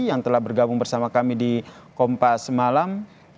yang telah bergabung bersama kami di kompas semalam